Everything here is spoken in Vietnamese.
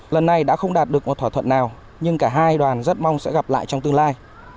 lần này đã không đạt được một thỏa thuận nào nhưng cả hai đoàn rất mong sẽ gặp lại trong tương lai